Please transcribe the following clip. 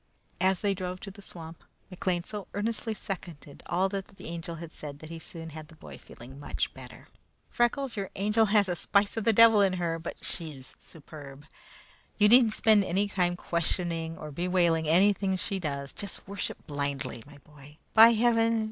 As they drove to the swamp, McLean so earnestly seconded all that the Angel had said that he soon had the boy feeling much better. "Freckles, your Angel has a spice of the devil in her, but she's superb! You needn't spend any time questioning or bewailing anything she does. Just worship blindly, my boy. By heaven!